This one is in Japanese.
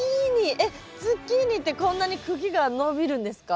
えっズッキーニってこんなに茎が伸びるんですか？